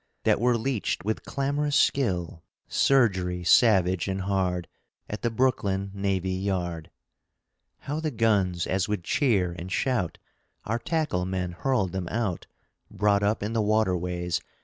That were leeched with clamorous skill (Surgery savage and hard), At the Brooklyn Navy Yard. How the guns, as with cheer and shout, Our tackle men hurled them out, Brought up in the waterways...